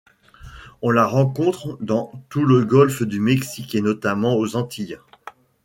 On la rencontre dans tout le Golfe du Mexique, et notamment aux Antilles.